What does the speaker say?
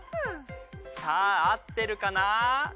さあ合ってるかな？